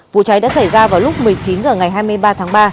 vụ cháy đã xảy ra vào lúc một mươi chín h ngày hai mươi ba tháng ba